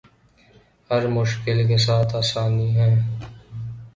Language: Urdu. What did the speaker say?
ہر مشکل کے ساتھ آسانی ہے